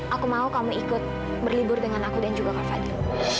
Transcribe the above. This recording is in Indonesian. aku mau kamu ikut berlibur dengan aku dan juga kak fadil